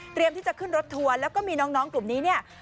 เตรียมที่จะขึ้นรถทัวร์แล้วก็มีน้องกลุ่มนี้